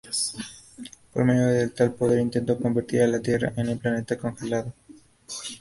Por medio de tal poder, intentó convertir a la Tierra en un planeta congelado.